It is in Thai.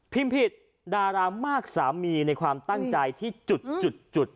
ผิดดารามากสามีในความตั้งใจที่จุด